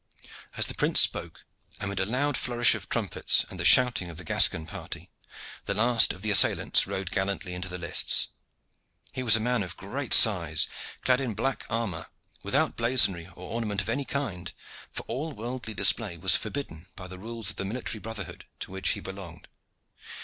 As the prince spoke, amid a loud flourish of trumpets and the shouting of the Gascon party, the last of the assailants rode gallantly into the lists. He was a man of great size, clad in black armor without blazonry or ornament of any kind, for all worldly display was forbidden by the rules of the military brotherhood to which he belonged.